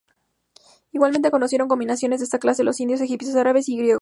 Igualmente conocieron combinaciones de esta clase los indios, egipcios, árabes y griegos.